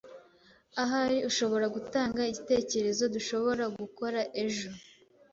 Ahari ushobora gutanga igitekerezo dushobora gukora ejo.